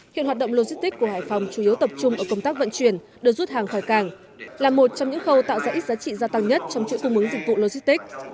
hiện hoạt động logistics của hải phòng chủ yếu tập trung ở công tác vận chuyển đưa rút hàng khỏi cảng là một trong những khâu tạo ra ít giá trị gia tăng nhất trong chuỗi cung ứng dịch vụ logistics